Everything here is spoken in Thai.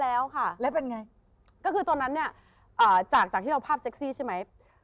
แล้วเป็นไง